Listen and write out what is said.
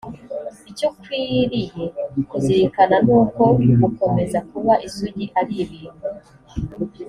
icyo ukwiriye kuzirikana ni uko gukomeza kuba isugi ari ibintu